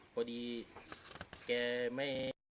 พอดีแกไม่